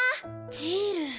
ジール！